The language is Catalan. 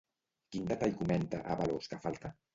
Quin detall comenta Ábalos que falta?